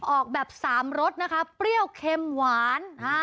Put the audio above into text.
ออกแบบ๓รสนะคะเปรี้ยวเค็มหวาน